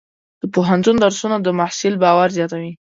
د پوهنتون درسونه د محصل باور زیاتوي.